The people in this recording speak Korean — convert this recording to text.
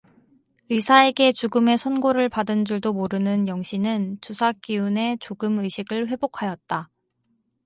의사에게 죽음의 선고를 받은 줄도 모르는 영신은 주사 기운에 조금 의식을 회복하였다.